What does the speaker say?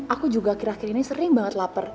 aku juga kira kira ini sering banget lapar